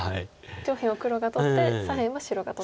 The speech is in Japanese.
上辺を黒が取って左辺は白が取ってと。